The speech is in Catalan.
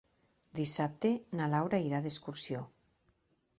Dissabte na Laura irà d'excursió.